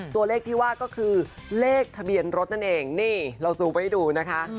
ตัวเลขที่ว่าก็คือเลขทะเบียนรถนั่นเองนี่เราซูมไว้ดูนะคะ